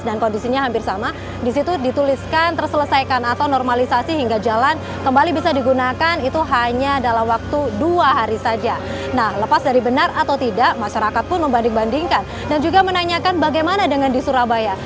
masyarakat pun membanding bandingkan dan juga menanyakan bagaimana dengan di surabaya